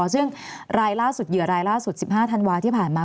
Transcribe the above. ซึ่งรายล่าสุดเหยื่อรายล่าสุด๑๕ธันวาที่ผ่านมา